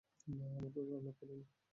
না, আমরা করিনি।